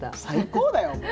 最高だよ。